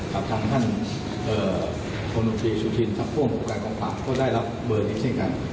กับท่านท่านธนตรีสุธินทรัพย์โค้งประกอบฝากก็ได้รับเบอร์นี้เช่นกัน